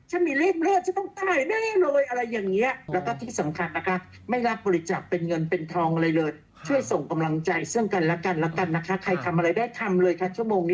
หาดหลุมแบบระบบอุตสาหกรรมเลยนะเถอะ